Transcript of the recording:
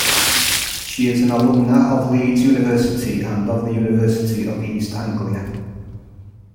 She is an alumna of Leeds University and of the University of East Anglia.